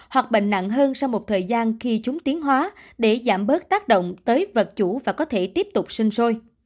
hoặc bệnh nặng hơn sau một thời gian khi chúng tiến hóa để giảm bớt tác động tới vật chủ và có thể tiếp tục sinh sôi